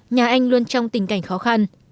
nhà anh luôn trong tình cảnh khó khăn